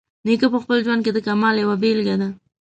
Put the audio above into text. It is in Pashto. نیکه په خپل ژوند کې د کمال یوه بیلګه ده.